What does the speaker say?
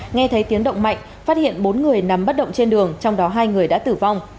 nghe thấy tiếng động mạnh phát hiện bốn người nằm bất động trên đường trong đó hai người đã tử vong